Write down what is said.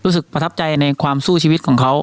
ประทับใจในความสู้ชีวิตของเขา